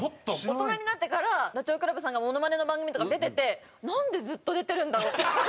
大人になってからダチョウ倶楽部さんがモノマネの番組とか出ててなんでずっと出てるんだろう？って思って。